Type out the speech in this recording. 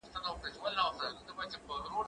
زه ونې ته اوبه نه ورکوم!.